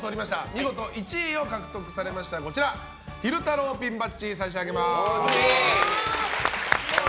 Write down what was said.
見事１位を獲得されましたら昼太郎ピンバッジを差し上げます。